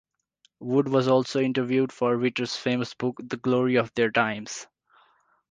Wood was also interviewed for Ritter's famous book, "The Glory of Their Times".